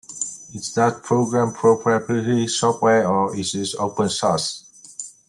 Is that program proprietary software, or is it open source?